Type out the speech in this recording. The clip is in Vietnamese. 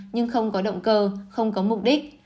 nhưng không có động cơ không có mục đích